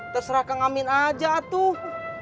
terserah kang amin aja atuh